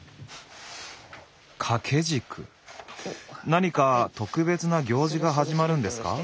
何か特別な行事が始まるんですか？